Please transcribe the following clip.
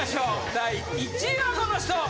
第１位はこの人！